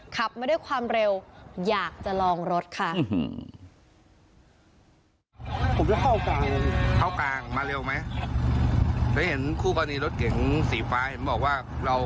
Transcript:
ขับมาด้วยความเร็วอยากจะลองรถค่ะ